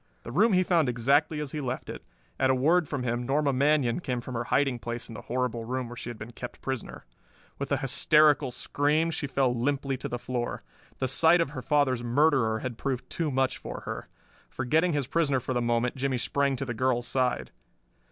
The room he found exactly as he left it. At a word from him Norma Manion came from her hiding place in the horrible room where she had been kept prisoner. With an hysterical scream she fell limply to the floor. The sight of her father's murderer had proved too much for her. Forgetting his prisoner for the moment Jimmie sprang to the girl's side.